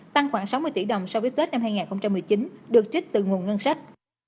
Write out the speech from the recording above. tăng khoảng sáu mươi tỷ đồng so với tết năm hai nghìn một mươi chín được trích từ nguồn ngân sách